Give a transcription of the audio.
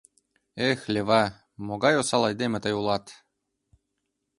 Эх, Лева, могай осал айдеме тый улат!..